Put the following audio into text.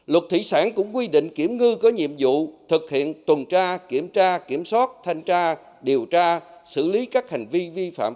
luật thủy sản cũng quy định kiểm ngư có nhiệm vụ thực hiện tuần tra kiểm tra kiểm soát thanh tra điều tra xử lý các hành vi vi phạm